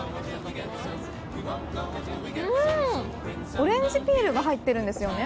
オレンジピールが入っているんですよね。